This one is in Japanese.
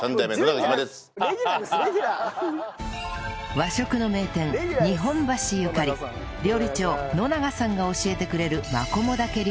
和食の名店日本橋ゆかり料理長野永さんが教えてくれるマコモダケ料理は